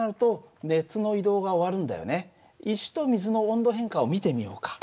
石と水の温度変化を見てみようか。